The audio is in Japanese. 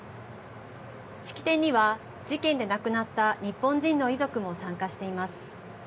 式典には事件で亡くなった日本人の遺族も参加しています。